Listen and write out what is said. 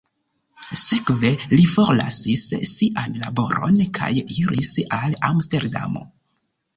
Sekve li forlasis sian laboron kaj iris al Amsterdamo.